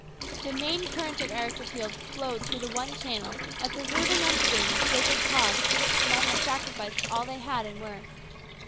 The main current of Eric's appeal flowed through the one channel of preserving unstained the sacred cause for which the men had sacrificed all they had and were.